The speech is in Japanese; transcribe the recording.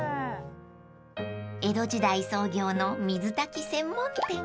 ［江戸時代創業の水炊き専門店］